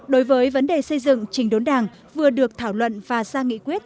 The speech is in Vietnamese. đối với vấn đề xây dựng trình đốn đảng vừa được thảo luận và ra nghị quyết